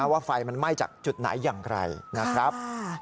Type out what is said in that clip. ไฟมันไหม้จากจุดไหนอย่างไรนะครับ